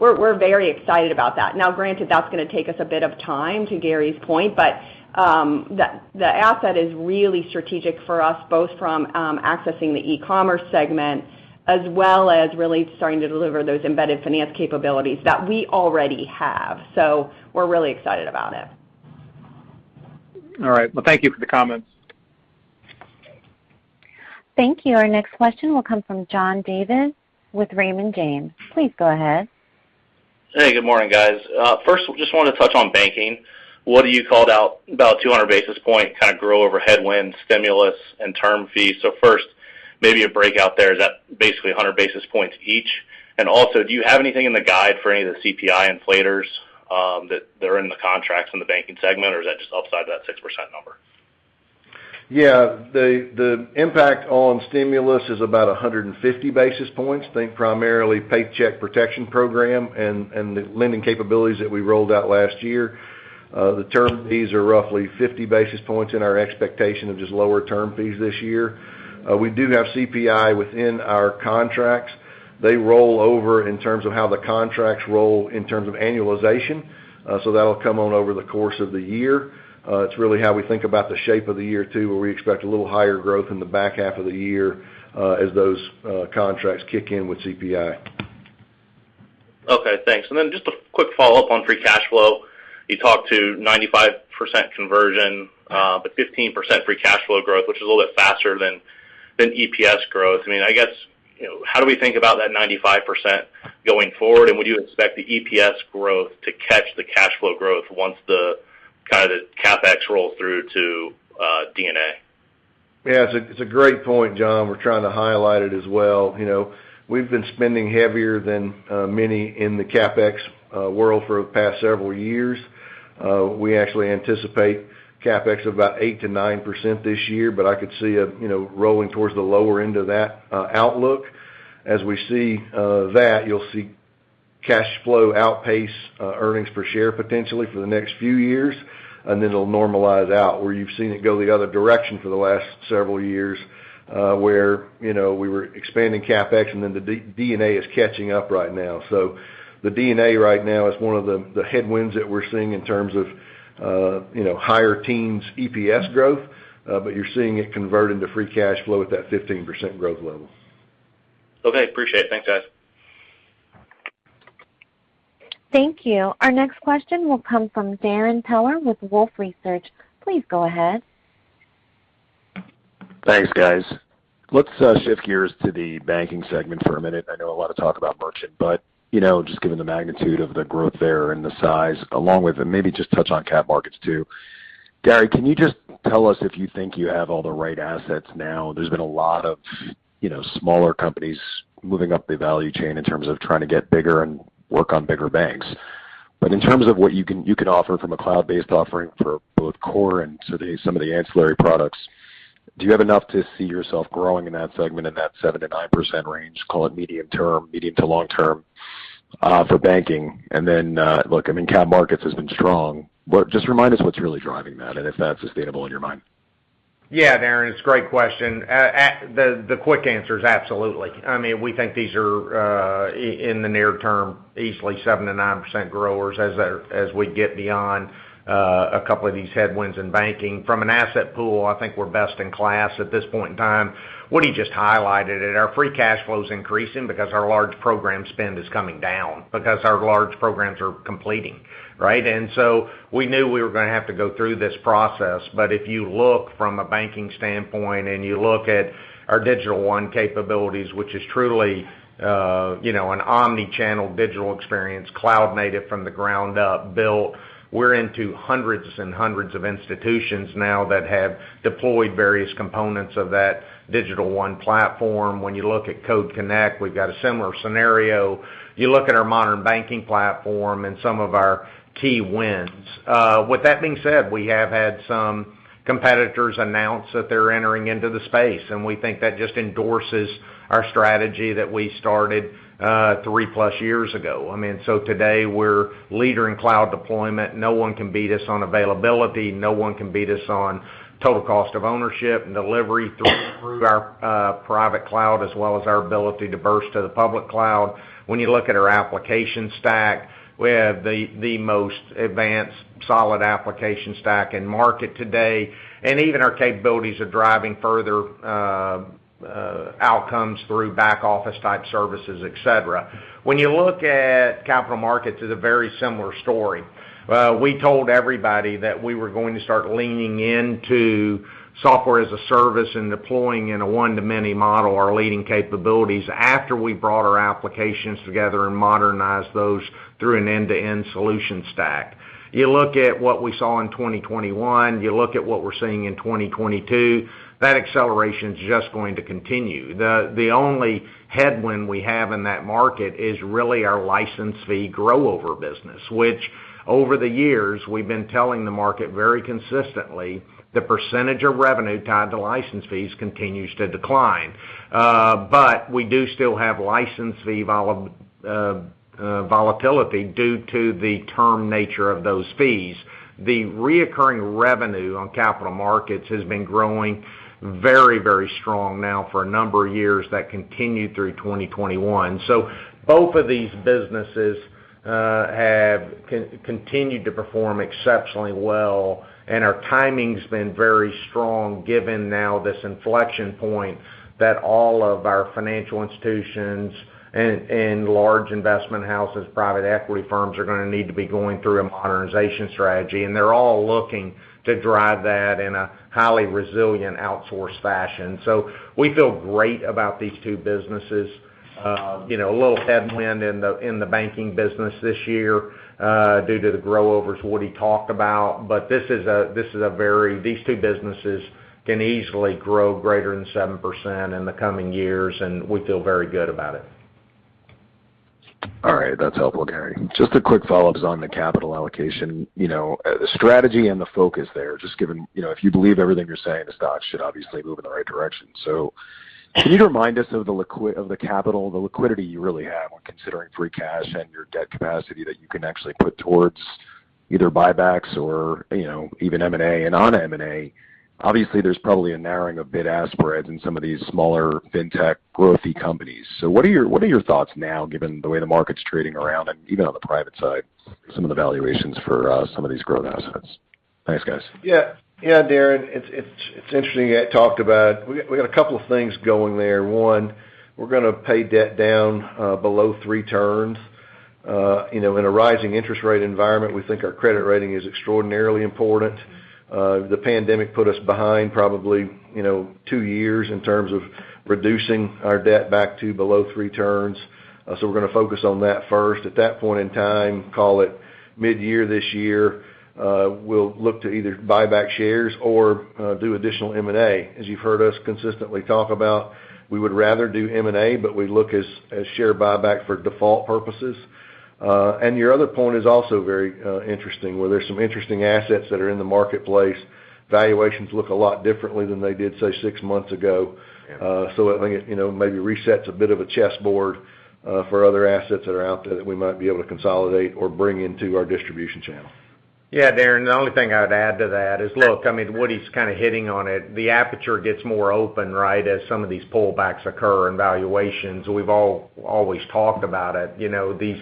We're very excited about that. Now, granted, that's gonna take us a bit of time, to Gary's point. The asset is really strategic for us, both from accessing the e-commerce segment as well as really starting to deliver those embedded finance capabilities that we already have. We're really excited about it. All right. Well, thank you for the comments. Thank you. Our next question will come from John Davis with Raymond James. Please go ahead. Hey, good morning, guys. First, just wanted to touch on Banking. What are you calling out, about 200 basis points kind of growth over headwind, stimulus, and term fees? First, maybe a breakout there. Is that basically 100 basis points each? And also, do you have anything in the guidance for any of the CPI inflators that are in the contracts in the Banking segment, or is that just outside that 6% number? Yeah. The impact on stimulus is about 150 basis points, think primarily Paycheck Protection Program and the lending capabilities that we rolled out last year. The term fees are roughly 50 basis points in our expectation of just lower term fees this year. We do have CPI within our contracts. They roll over in terms of how the contracts roll in terms of annualization, so that'll come on over the course of the year. It's really how we think about the shape of the year, too, where we expect a little higher growth in the back half of the year, as those contracts kick in with CPI. Okay, thanks. Just a quick follow-up on free cash flow. You talked to 95% conversion, but 15% free cash flow growth, which is a little bit faster than EPS growth. I mean, I guess, you know, how do we think about that 95% going forward? Would you expect the EPS growth to catch the cash flow growth once the kind of the CapEx rolls through to D&A? Yeah. It's a great point, John. We're trying to highlight it as well. You know, we've been spending heavier than many in the CapEx world for the past several years. We actually anticipate CapEx of about 8%-9% this year, but I could see, you know, rolling towards the lower end of that outlook. As we see that, you'll see cash flow outpace earnings per share potentially for the next few years, and then it'll normalize out, where you've seen it go the other direction for the last several years, where, you know, we were expanding CapEx, and then the D&A is catching up right now. The DNA right now is one of the headwinds that we're seeing in terms of higher teens EPS growth, but you're seeing it convert into free cash flow at that 15% growth level. Okay, appreciate it. Thanks, guys. Thank you. Our next question will come from Darrin Peller with Wolfe Research. Please go ahead. Thanks, guys. Let's shift gears to the banking segment for a minute. I know a lot of talk about merchant, but you know, just given the magnitude of the growth there and the size, along with it, maybe just touch on capital markets, too. Gary, can you just tell us if you think you have all the right assets now? There's been a lot of you know, smaller companies moving up the value chain in terms of trying to get bigger and work on bigger banks. But in terms of what you can offer from a cloud-based offering for both core and some of the ancillary products, do you have enough to see yourself growing in that segment in that 7%-9% range, call it medium term, medium to long term for banking? Look, I mean, capital markets has been strong. Just remind us what's really driving that and if that's sustainable in your mind? Yeah, Darrin, it's a great question. The quick answer is absolutely. I mean, we think these are in the near term easily 7%-9% growers as we get beyond a couple of these headwinds in banking. From an asset pool, I think we're best in class at this point in time. What he just highlighted, and our free cash flow is increasing because our large program spend is coming down because our large programs are completing, right? We knew we were gonna have to go through this process. If you look from a banking standpoint and you look at Our Digital One capabilities, which is truly, you know, an omni-channel digital experience, cloud native from the ground up built. We're into hundreds and hundreds of institutions now that have deployed various components of that Digital One platform. When you look at Code Connect, we've got a similar scenario. You look at our Modern Banking Platform and some of our key wins. With that being said, we have had some competitors announce that they're entering into the space, and we think that just endorses our strategy that we started 3+ years ago. I mean, today, we're leader in cloud deployment. No one can beat us on availability. No one can beat us on total cost of ownership and delivery through our private cloud, as well as our ability to burst to the public cloud. When you look at our application stack, we have the most advanced, solid application stack in market today, and even our capabilities are driving further outcomes through back office type services, et cetera. When you look at capital markets is a very similar story. We told everybody that we were going to start leaning into software-as-a-service and deploying in a one-to-many model our leading capabilities after we brought our applications together and modernized those through an end-to-end solution stack. You look at what we saw in 2021, you look at what we're seeing in 2022, that acceleration's just going to continue. The only headwind we have in that market is really our license fee grow-over business, which over the years, we've been telling the market very consistently, the percentage of revenue tied to license fees continues to decline. We do still have license fee volatility due to the term nature of those fees. The recurring revenue on Capital Markets has been growing very, very strong now for a number of years that continued through 2021. Both of these businesses have continued to perform exceptionally well, and our timing's been very strong given now this inflection point that all of our financial institutions and large investment houses, private equity firms are gonna need to be going through a modernization strategy. They're all looking to drive that in a highly resilient outsourced fashion. We feel great about these two businesses. You know, a little headwind in the Banking business this year due to the grow-overs Woody talked about. These two businesses can easily grow greater than 7% in the coming years, and we feel very good about it. All right. That's helpful, Gary. Just a quick follow-ups on the capital allocation. You know, the strategy and the focus there, just given, you know, if you believe everything you're saying, the stock should obviously move in the right direction. So can you remind us of the capital, the liquidity you really have when considering free cash and your debt capacity that you can actually put towards either buybacks or, you know, even M&A and on M&A? Obviously, there's probably a narrowing of bid-ask spreads in some of these smaller fintech growthy companies. So what are your thoughts now given the way the market's trading around and even on the private side, some of the valuations for some of these growth assets? Thanks, guys. Yeah. Yeah, Darrin. It's interesting. I talked about. We got a couple of things going there. One, we're gonna pay debt down below three turns. You know, in a rising interest rate environment, we think our credit rating is extraordinarily important. The pandemic put us behind probably, you know, two years in terms of reducing our debt back to below three turns. We're gonna focus on that first. At that point in time, call it midyear this year, we'll look to either buy back shares or do additional M&A. As you've heard us consistently talk about, we would rather do M&A, but we look at share buyback for default purposes. Your other point is also very interesting, where there's some interesting assets that are in the marketplace. Valuations look a lot differently than they did, say, six months ago. So I think it, you know, maybe resets a bit of a chessboard for other assets that are out there that we might be able to consolidate or bring into our distribution channel. Yeah, Darrin, the only thing I'd add to that is, look, I mean, Woody's kind of hitting on it. The aperture gets more open, right? As some of these pullbacks occur and valuations. We've all always talked about it. You know, these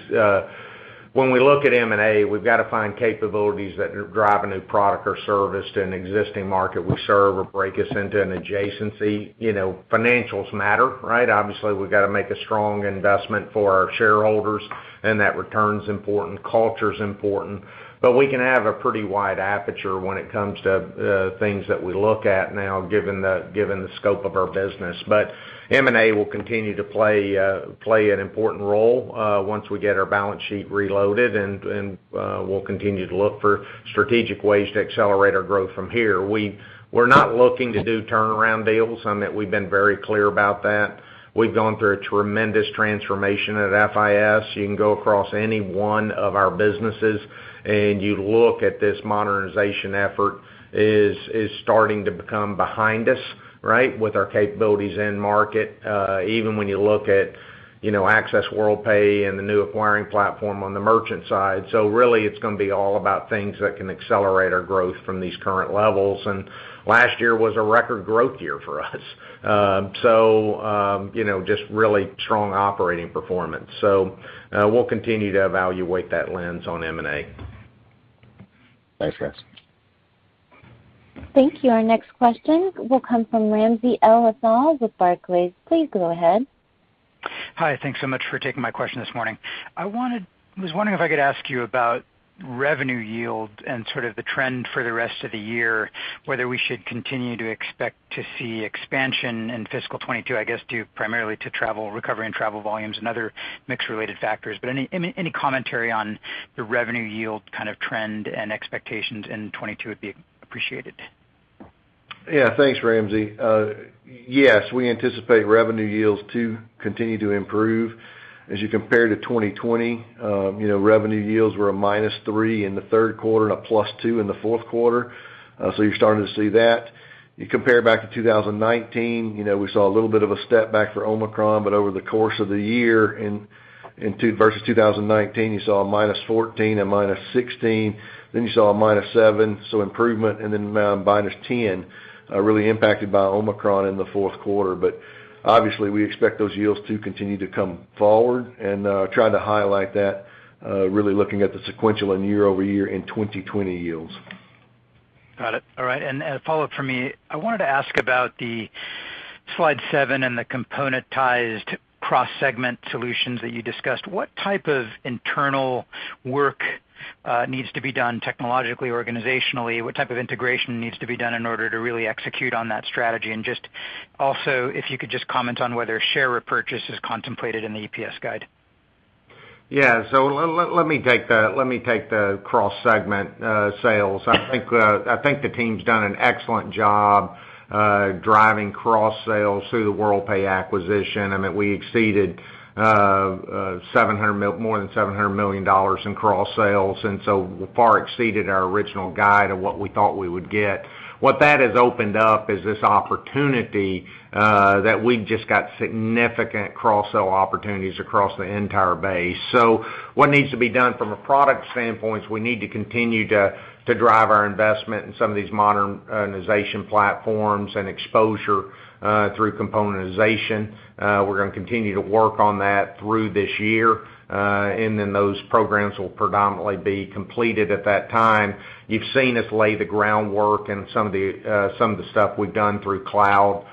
when we look at M&A, we've got to find capabilities that drive a new product or service to an existing market we serve or break us into an adjacency. You know, financials matter, right? Obviously, we've got to make a strong investment for our shareholders, and that return's important, culture's important. We can have a pretty wide aperture when it comes to things that we look at now, given the scope of our business. M&A will continue to play an important role once we get our balance sheet reloaded, and we'll continue to look for strategic ways to accelerate our growth from here. We're not looking to do turnaround deals, and that we've been very clear about that. We've gone through a tremendous transformation at FIS. You can go across any one of our businesses and you look at this modernization effort is starting to become behind us, right? With our capabilities in market, even when you look at, you know, Access Worldpay and the new acquiring platform on the merchant side. Really, it's gonna be all about things that can accelerate our growth from these current levels. Last year was a record growth year for us. You know, just really strong operating performance. We'll continue to evaluate that lens on M&A. Thanks, guys. Thank you. Our next question will come from Ramsey El-Assal with Barclays. Please go ahead. Hi. Thanks so much for taking my question this morning. I was wondering if I could ask you about revenue yield and sort of the trend for the rest of the year, whether we should continue to expect to see expansion in fiscal 2022, I guess, due primarily to travel recovery in travel volumes and other mix-related factors. Any commentary on the revenue yield kind of trend and expectations in 2022 would be appreciated. Yeah. Thanks, Ramsey. Yes, we anticipate revenue yields to continue to improve. As you compare to 2020, you know, revenue yields were a -3% in the third quarter and a +2% in the fourth quarter, so you're starting to see that. You compare back to 2019, you know, we saw a little bit of a stepback for Omicron, but over the course of the year in 2020 versus 2019, you saw a -14%, a -16%, then you saw a -7%, so improvement, and then, -10%, really impacted by Omicron in the fourth quarter. But obviously, we expect those yields to continue to come forward, and, trying to highlight that, really looking at the sequential and year-over-year in 2020 yields. Got it. All right. A follow-up from me. I wanted to ask about the slide 7 and the componentized cross-segment solutions that you discussed. What type of internal work needs to be done technologically, organizationally? What type of integration needs to be done in order to really execute on that strategy? Just also, if you could just comment on whether a share repurchase is contemplated in the EPS guide. Yeah. Let me take the cross-segment sales. I think the team's done an excellent job driving cross sales through the Worldpay acquisition, and that we exceeded more than $700 million in cross sales, and so far exceeded our original guide of what we thought we would get. What that has opened up is this opportunity that we just got significant cross-sell opportunities across the entire base. What needs to be done from a product standpoint is we need to continue to drive our investment in some of these modernization platforms and exposure through componentization. We're gonna continue to work on that through this year, and then those programs will predominantly be completed at that time. You've seen us lay the groundwork and some of the stuff we've done through cloud.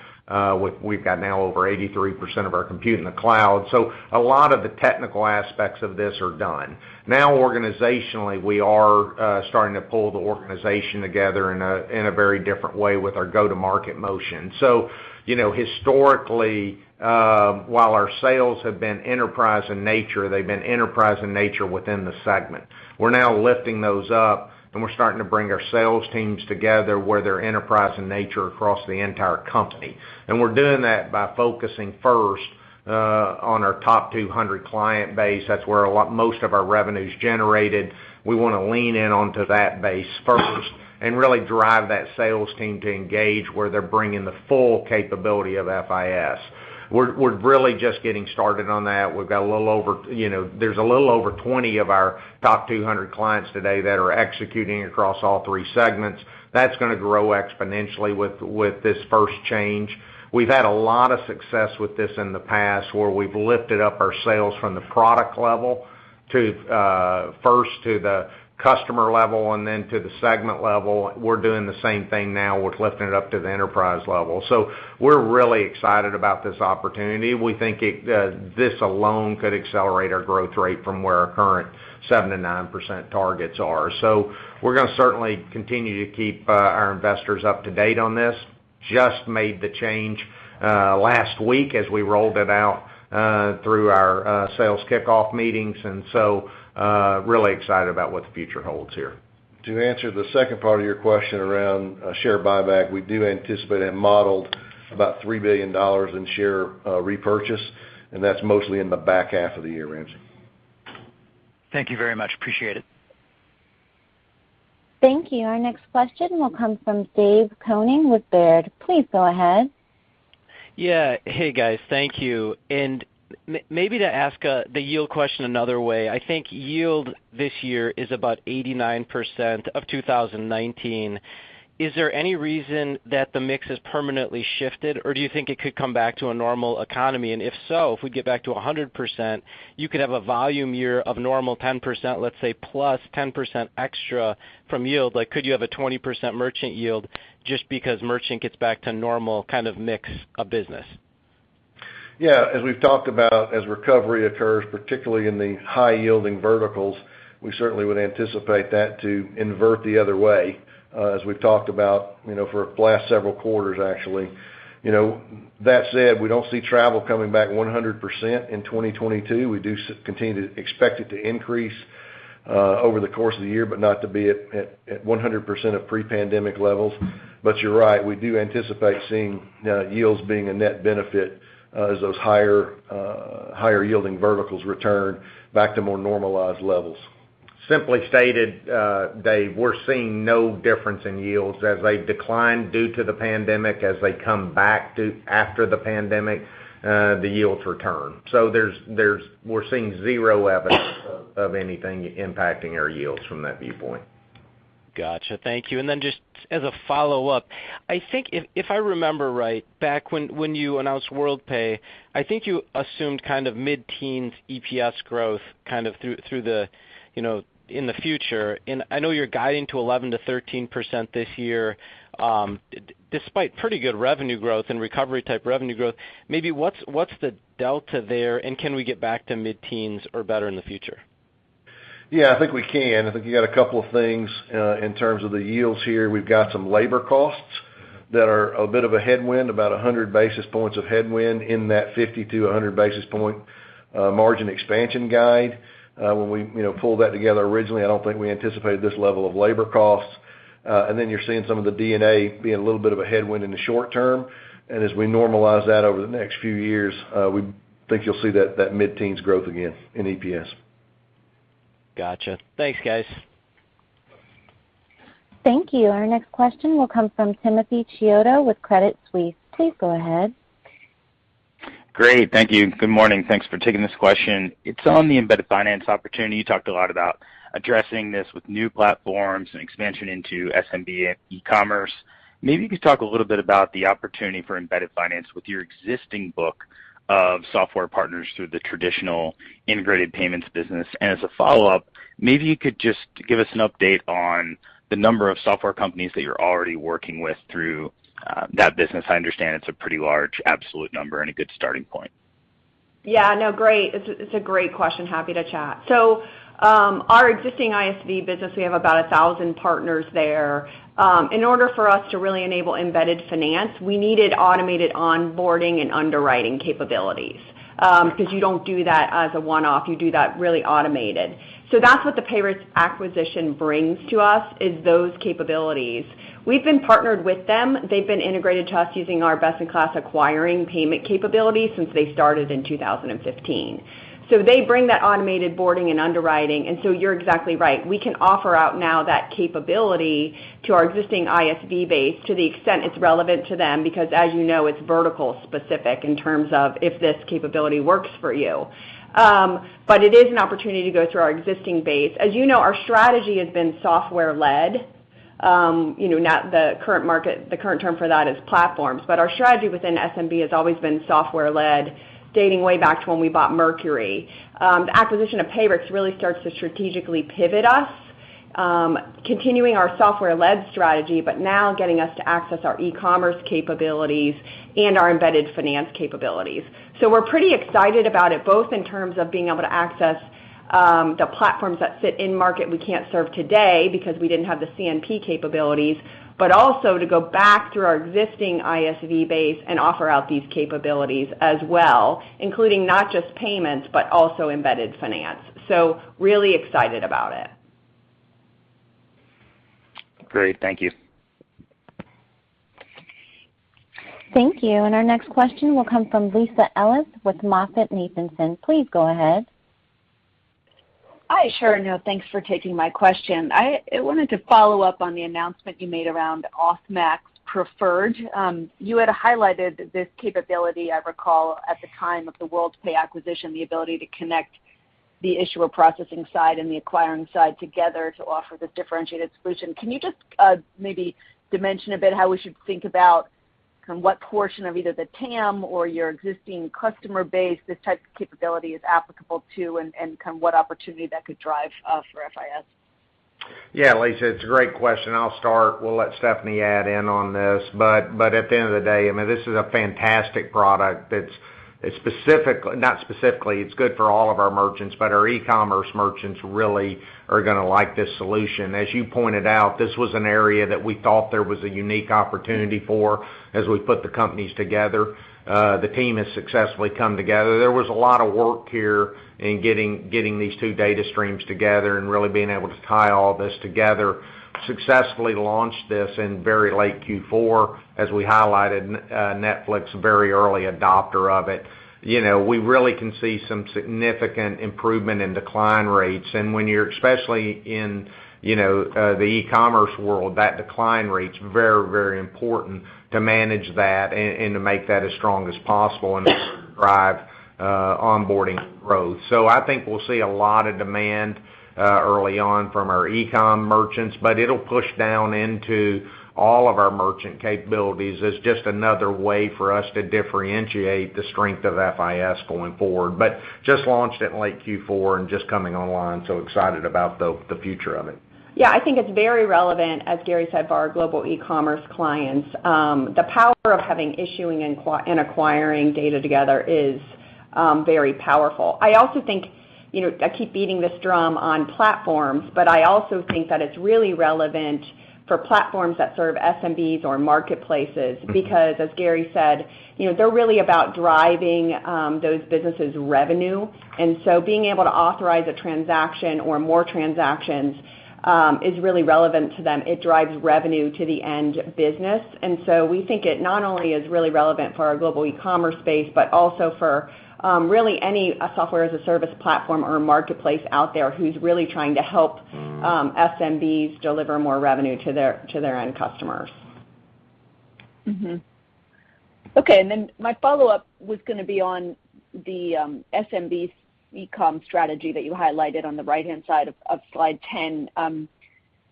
We've got now over 83% of our compute in the cloud. A lot of the technical aspects of this are done. Now, organizationally, we are starting to pull the organization together in a very different way with our go-to-market motion. You know, historically, while our sales have been enterprise in nature, they've been enterprise in nature within the segment. We're now lifting those up, and we're starting to bring our sales teams together where they're enterprise in nature across the entire company. We're doing that by focusing first on our top 200 client base. That's where a lot, most of our revenue's generated. We wanna lean in onto that base first and really drive that sales team to engage, where they're bringing the full capability of FIS. We're really just getting started on that. We've got a little over, you know, there's a little over 20 of our top 200 clients today that are executing across all three segments. That's gonna grow exponentially with this first change. We've had a lot of success with this in the past, where we've lifted up our sales from the product level to first to the customer level and then to the segment level. We're doing the same thing now. We're lifting it up to the enterprise level. We're really excited about this opportunity. We think this alone could accelerate our growth rate from where our current 7%-9% targets are. We're gonna certainly continue to keep our investors up to date on this. Just made the change last week as we rolled it out through our sales kickoff meetings, and so really excited about what the future holds here. To answer the second part of your question around a share buyback, we do anticipate and modeled about $3 billion in share repurchase, and that's mostly in the back half of the year, Ramsey. Thank you very much. Appreciate it. Thank you. Our next question will come from David Koning with Baird. Please go ahead. Yeah. Hey, guys. Thank you. Maybe to ask the yield question another way. I think yield this year is about 89% of 2019. Is there any reason that the mix has permanently shifted, or do you think it could come back to a normal economy? If so, if we get back to 100%, you could have a volume year of normal 10%, let's say, plus 10% extra from yield. Like, could you have a 20% merchant yield just because merchant gets back to normal kind of mix of business? Yeah. As we've talked about, as recovery occurs, particularly in the high-yielding verticals, we certainly would anticipate that to invert the other way, as we've talked about, you know, for last several quarters actually. You know, that said, we don't see travel coming back 100% in 2022. We do continue to expect it to increase over the course of the year, but not to be at 100% of pre-pandemic levels. But you're right, we do anticipate seeing yields being a net benefit as those higher-yielding verticals return back to more normalized levels. Simply stated, Dave, we're seeing no difference in yields. As they decline due to the pandemic, as they come back after the pandemic, the yields return. We're seeing zero evidence of anything impacting our yields from that viewpoint. Gotcha. Thank you. Then just as a follow-up, I think if I remember right, back when you announced Worldpay, I think you assumed kind of mid-teens EPS growth kind of through the you know in the future. I know you're guiding to 11%-13% this year, despite pretty good revenue growth and recovery-type revenue growth. Maybe what's the delta there, and can we get back to mid-teens or better in the future? Yeah, I think we can. I think you got a couple of things in terms of the yields here. We've got some labor costs that are a bit of a headwind, about 100 basis points of headwind in that 50-100 basis point margin expansion guide. When we, you know, pulled that together originally, I don't think we anticipated this level of labor costs. Then you're seeing some of the D&A being a little bit of a headwind in the short term. As we normalize that over the next few years, we think you'll see that mid-teens growth again in EPS. Gotcha. Thanks, guys. Thank you. Our next question will come from Timothy Chiodo with Credit Suisse. Please go ahead. Great. Thank you. Good morning. Thanks for taking this question. It's on the embedded finance opportunity. You talked a lot about addressing this with new platforms and expansion into SMB and e-com. Maybe you could talk a little bit about the opportunity for embedded finance with your existing book of software partners through the traditional integrated payments business. As a follow-up, maybe you could just give us an update on the number of software companies that you're already working with through that business. I understand it's a pretty large absolute number and a good starting point. Yeah, no, great. It's a great question. Happy to chat. Our existing ISV business, we have about 1,000 partners there. In order for us to really enable embedded finance, we needed automated onboarding and underwriting capabilities, because you don't do that as a one-off, you do that really automated. That's what the Payrix acquisition brings to us, is those capabilities. We've been partnered with them. They've been integrated to us using our best-in-class acquiring payment capabilities since they started in 2015. They bring that automated onboarding and underwriting, and you're exactly right. We can offer out now that capability to our existing ISV base to the extent it's relevant to them because as you know, it's vertical specific in terms of if this capability works for you. It is an opportunity to go through our existing base. As you know, our strategy has been software-led. You know, now the current market, the current term for that is platforms. Our strategy within SMB has always been software-led, dating way back to when we bought Mercury. The acquisition of Payrix really starts to strategically pivot us, continuing our software-led strategy, but now getting us to access our e-commerce capabilities and our embedded finance capabilities. We're pretty excited about it, both in terms of being able to access the platforms that sit in market we can't serve today because we didn't have the CNP capabilities, but also to go back through our existing ISV base and offer out these capabilities as well, including not just payments, but also embedded finance. Really excited about it. Great. Thank you. Thank you. Our next question will come from Lisa Ellis with MoffettNathanson. Please go ahead. Hi. Sure. No, thanks for taking my question. I wanted to follow up on the announcement you made around AuthMax Preferred. You had highlighted this capability, I recall, at the time of the Worldpay acquisition, the ability to connect the issuer processing side and the acquiring side together to offer this differentiated solution. Can you just maybe dimension a bit how we should think about kind of what portion of either the TAM or your existing customer base this type of capability is applicable to and kind of what opportunity that could drive for FIS? Yeah. Lisa, it's a great question. I'll start. We'll let Stephanie add in on this. At the end of the day, I mean, this is a fantastic product that's not specifically, it's good for all of our merchants, but our e-commerce merchants really are gonna like this solution. As you pointed out, this was an area that we thought there was a unique opportunity for as we put the companies together. The team has successfully come together. There was a lot of work here in getting these two data streams together and really being able to tie all this together. Successfully launched this in very late Q4. As we highlighted, Netflix, very early adopter of it. You know, we really can see some significant improvement in decline rates. When you're, especially in, you know, the e-commerce world, that decline rate's very, very important to manage that and to make that as strong as possible in order to drive onboarding growth. I think we'll see a lot of demand early on from our e-com merchants, but it'll push down into all of our merchant capabilities as just another way for us to differentiate the strength of FIS going forward. We just launched it in late Q4 and it's just coming online, so we're excited about the future of it. Yeah, I think it's very relevant, as Gary said, for our global e-commerce clients. The power of having issuing and acquiring data together is very powerful. I also think, you know, I keep beating this drum on platforms, but I also think that it's really relevant for platforms that serve SMBs or marketplaces because as Gary said, you know, they're really about driving those businesses' revenue. Being able to authorize a transaction or more transactions is really relevant to them. It drives revenue to the end business. We think it not only is really relevant for our global e-commerce space, but also for really any software as a service platform or a marketplace out there who's really trying to help SMBs deliver more revenue to their end customers. Mm-hmm. Okay, my follow-up was gonna be on the SMB e-com strategy that you highlighted on the right-hand side of slide 10.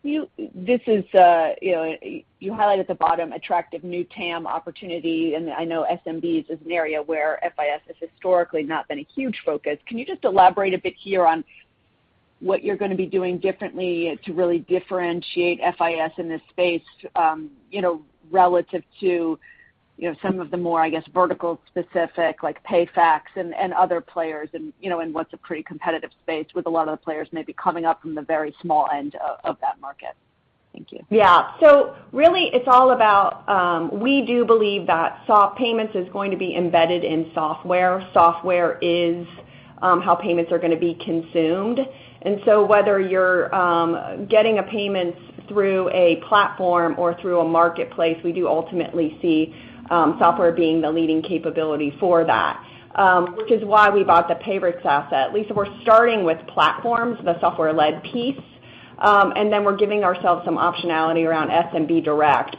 You know, you highlight at the bottom attractive new TAM opportunity, and I know SMB is an area where FIS has historically not been a huge focus. Can you just elaborate a bit here on what you're gonna be doing differently to really differentiate FIS in this space, you know, relative to You know, some of the more, I guess, vertical specific like PayFac and other players and, you know, and what's a pretty competitive space with a lot of the players maybe coming up from the very small end of that market. Thank you. Yeah. Really it's all about we do believe that software payments is going to be embedded in software. Software is how payments are gonna be consumed. Whether you're getting a payment through a platform or through a marketplace, we do ultimately see software being the leading capability for that. Which is why we bought the Payrix asset. Lisa, we're starting with platforms, the software-led piece, and then we're giving ourselves some optionality around SMB direct.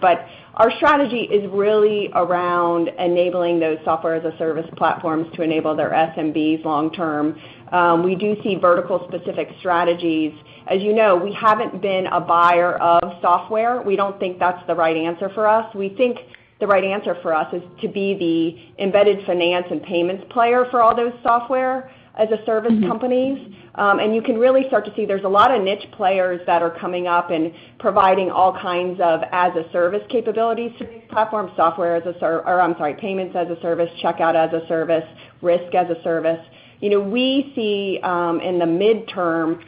Our strategy is really around enabling those software as a service platforms to enable their SMBs long term. We do see vertical specific strategies. As you know, we haven't been a buyer of software. We don't think that's the right answer for us. We think the right answer for us is to be the embedded finance and payments player for all those software-as-a-service companies. You can really start to see there's a lot of niche players that are coming up and providing all kinds of as-a-service capabilities to these platforms, payments as a service, checkout as a service, risk as a service. You know, we see in the midterm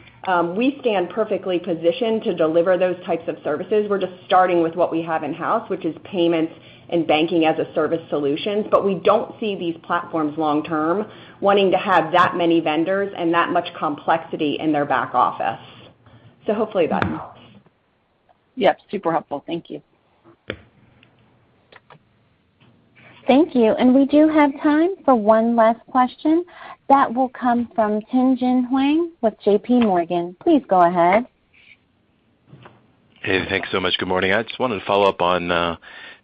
we stand perfectly positioned to deliver those types of services. We're just starting with what we have in-house, which is payments and banking as a service solutions. But we don't see these platforms long term wanting to have that many vendors and that much complexity in their back office. Hopefully that helps. Yep, super helpful. Thank you. Thank you. We do have time for one last question. That will come from Tien-Tsin Huang with JPMorgan. Please go ahead. Hey, thanks so much. Good morning. I just wanted to follow up on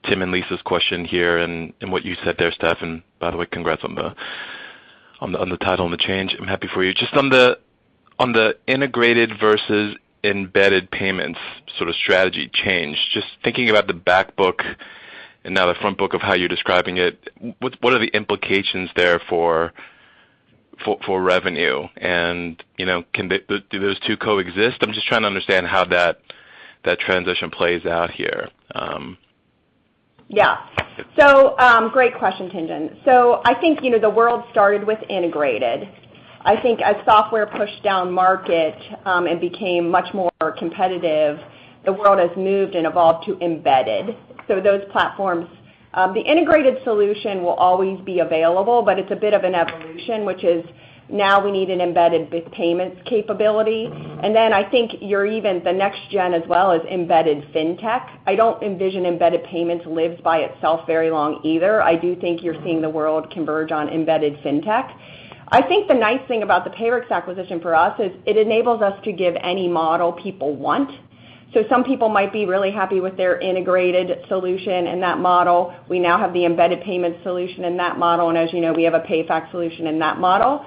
Tim and Lisa's question here and what you said there, Steph. By the way, congrats on the title change. I'm happy for you. Just on the integrated versus embedded payments sort of strategy change, just thinking about the back book and now the front book of how you're describing it, what are the implications there for revenue? You know, can those two coexist? I'm just trying to understand how that transition plays out here. Great question, Tien-Tsin. I think, you know, the world started with integrated. I think as software pushed down market, and became much more competitive, the world has moved and evolved to embedded. Those platforms, the integrated solution will always be available, but it's a bit of an evolution, which is now we need an embedded B2B payments capability. Then I think you're even the next gen as well is embedded fintech. I don't envision embedded payments lives by itself very long either. I do think you're seeing the world converge on embedded fintech. I think the nice thing about the Payrix acquisition for us is it enables us to give any model people want. Some people might be really happy with their integrated solution in that model. We now have the embedded payment solution in that model, and as you know, we have a PayFac solution in that model.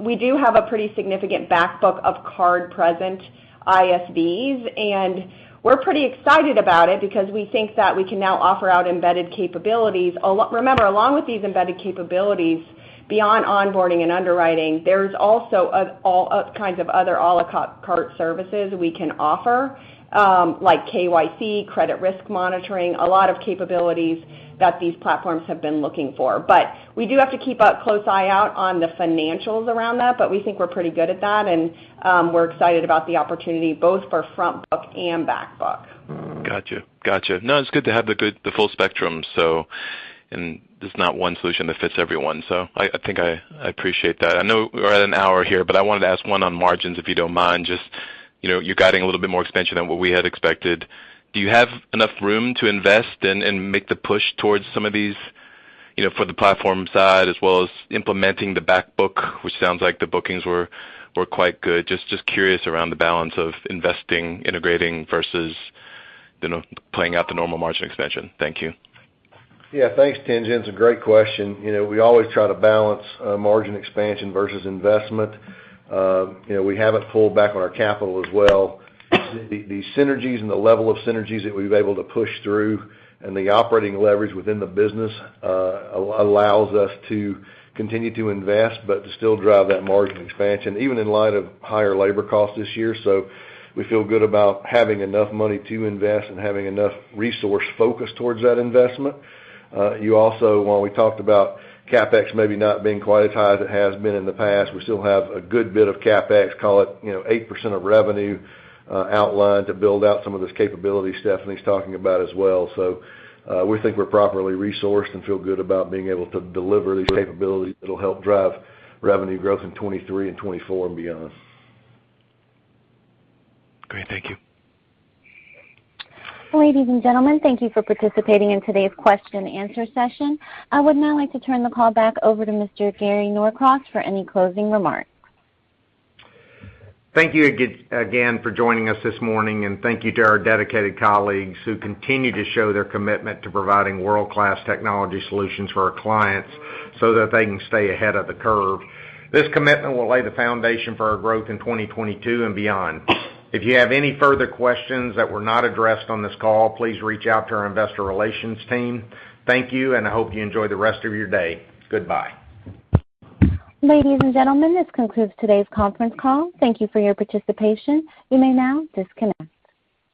We do have a pretty significant back book of card present ISVs, and we're pretty excited about it because we think that we can now offer out embedded capabilities. Remember, along with these embedded capabilities, beyond onboarding and underwriting, there's also all kinds of other à la carte services we can offer, like KYC, credit risk monitoring, a lot of capabilities that these platforms have been looking for. But we do have to keep a close eye out on the financials around that, but we think we're pretty good at that, and, we're excited about the opportunity both for front book and back book. Gotcha. No, it's good to have the full spectrum, so. There's not one solution that fits everyone. I think I appreciate that. I know we're at an hour here, but I wanted to ask one on margins, if you don't mind. Just, you know, you're guiding a little bit more expansion than what we had expected. Do you have enough room to invest and make the push towards some of these, you know, for the platform side as well as implementing the back book, which sounds like the bookings were quite good? Just curious around the balance of investing, integrating versus, you know, playing out the normal margin expansion. Thank you. Yeah. Thanks, Tien-Tsin. It's a great question. You know, we always try to balance margin expansion versus investment. You know, we haven't pulled back on our capital as well. The synergies and the level of synergies that we've able to push through and the operating leverage within the business allows us to continue to invest but to still drive that margin expansion, even in light of higher labor costs this year. We feel good about having enough money to invest and having enough resource focus towards that investment. You also, while we talked about CapEx maybe not being quite as high as it has been in the past, we still have a good bit of CapEx, call it, you know, 8% of revenue, outlined to build out some of this capability Stephanie's talking about as well. We think we're properly resourced and feel good about being able to deliver these capabilities that'll help drive revenue growth in 2023 and 2024 and beyond. Great. Thank you. Ladies and gentlemen, thank you for participating in today's question and answer session. I would now like to turn the call back over to Mr. Gary Norcross for any closing remarks. Thank you again for joining us this morning, and thank you to our dedicated colleagues who continue to show their commitment to providing world-class technology solutions for our clients so that they can stay ahead of the curve. This commitment will lay the foundation for our growth in 2022 and beyond. If you have any further questions that were not addressed on this call, please reach out to our investor relations team. Thank you, and I hope you enjoy the rest of your day. Goodbye. Ladies and gentlemen, this concludes today's conference call. Thank you for your participation. You may now disconnect.